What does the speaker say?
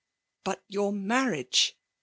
" But your marriage ?